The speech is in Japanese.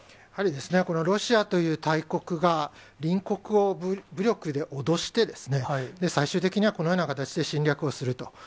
やはりですね、ロシアという大国が、隣国を武力で脅して、最終的にはこのような形で侵略をすると。